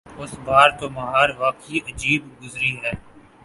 اس بار تو بہار واقعی عجیب گزری ہے۔